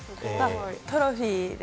トロフィーです。